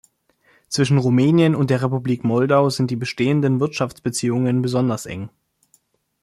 Zwischen Rumänien und der Republik Moldau sind die bestehenden Wirtschaftsbeziehungen besonders eng.